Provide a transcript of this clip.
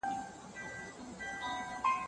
ایا شاه محمود هوتک په جګړه کې خپله توره وکاروله؟